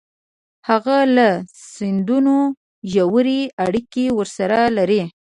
هغه له سندونو ژورې اړیکې ورسره لري